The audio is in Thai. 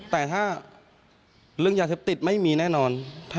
แต่ถ้าเรื่องยาเสพติดไม่มีแน่นอน